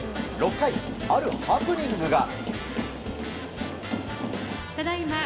６回、あるハプニングが。